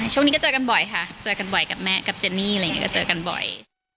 ช่วงนี้ก็เจอกันบ่อยค่ะเจอกันบ่อยกับแม่กับเจนี่อะไรอย่างนี้ก็เจอกันบ่อย